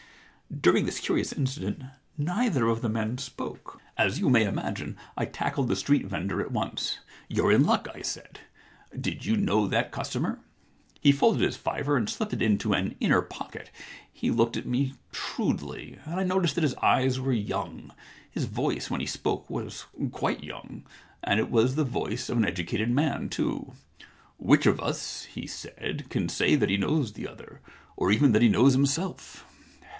During this curious incident neither of the men spoke. As you may imagine, I tackled the street vendor at once. •"You're in luck," I said. "Did you know that customer ?"* He folded his fiver and slipped it into an inner pocket. He looked at me shrewdly, and I noticed that his eyes were young. His voice when he spoke was quite young. And it was the voice of an educated man too. Which of us," he said, can say that he knows the other — or even that he knows himself?